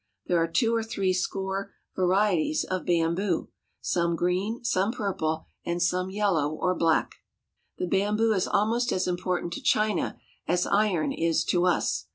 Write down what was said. There are two or three score varieties of bamboo ; some green, some purple, and some yellow or black. The bamboo is almost as important to China as iron is to us.